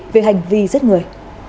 về hành vi giết người